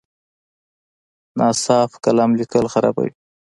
ناصاف قلم لیکل خرابوي.